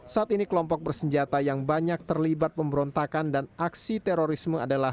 saat ini kelompok bersenjata yang banyak terlibat pemberontakan dan aksi terorisme adalah